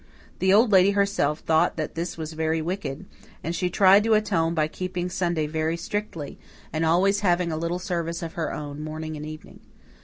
The Old Lady herself thought that this was very wicked; and she tried to atone by keeping Sunday very strictly, and always having a little service of her own, morning and evening.